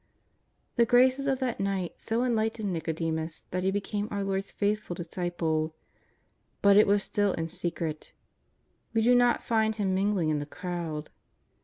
The graces of that night so enlightened JSTicodemus that he became our Lord's faithful disciple. But it was still in secret. We do not find him mingling in the crowd.